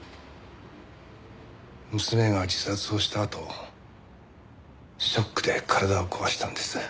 娘が自殺をしたあとショックで体を壊したんです。